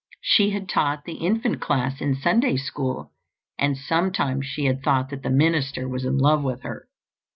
She had taught the infant class in Sunday School and sometimes she had thought that the minister was in love with her.